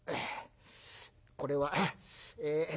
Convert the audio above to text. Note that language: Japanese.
「これはええ